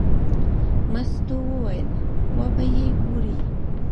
مستو وویل: وبه یې ګورې.